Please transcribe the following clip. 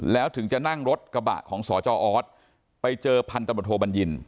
แล้วถึงจะนั่งรถกระบะของสจออสไปเจอพันตำรวจโทบัญญิน